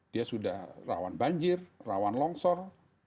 dia sudah rawan banjir rawan longsor